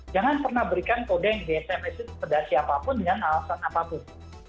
jangan pernah berikan kode yang di sms itu kepada siapapun dengan alasan apapun